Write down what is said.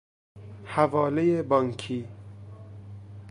حوالهی بانکی